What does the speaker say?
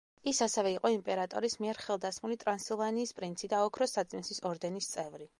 ის ასევე იყო იმპერატორის მიერ ხელდასმული ტრანსილვანიის პრინცი და ოქროს საწმისის ორდენის წევრი.